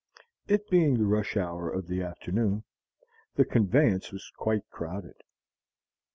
It being the rush hour of the afternoon, the conveyance was quite crowded.